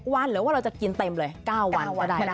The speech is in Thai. วันหรือว่าเราจะกินเต็มเลย๙วันก็ได้